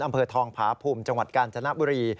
อำเภอทองผาภูมิจังหวัดกาญจนบุรี